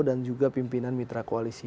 dan juga pimpinan mitra koalisi